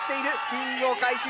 リングを回収。